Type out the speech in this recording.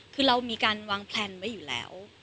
คือเรามีการวางแพลนไว้อยู่แล้ว